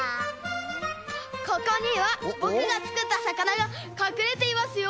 ここにはぼくがつくったさかながかくれていますよ。